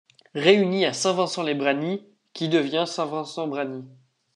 Réunie à Saint-Vincent-lès-Bragny qui devient Saint-Vincent-Bragny.